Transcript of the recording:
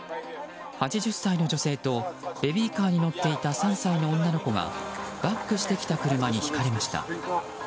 ８０歳の女性と、ベビーカーに乗っていた３歳の女の子がバックしてきた車にひかれました。